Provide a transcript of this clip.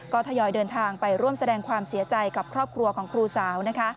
ก็ทยอยเดินทางไปร่วมแสดงความเสียใจกับครอบครัวของครูสาว